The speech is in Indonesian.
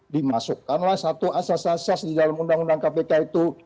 dimasukkanlah satu asas asas di dalam undang undang kpk itu